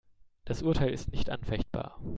Das Urteil ist nicht anfechtbar.